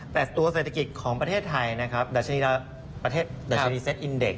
แต่ตัวเศรษฐกิจของประเทศไทยนะครับดัชนีเซตอินเด็ก